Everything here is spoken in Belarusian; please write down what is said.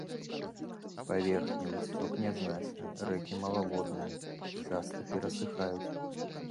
Паверхневы сцёк нязначны, рэкі малаводныя, часта перасыхаюць.